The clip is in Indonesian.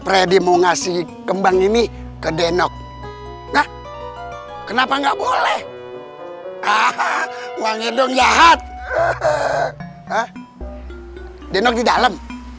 freddy mau ngasih kembang ini ke denok hah kenapa nggak boleh ahah wang edung jahat denok di dalam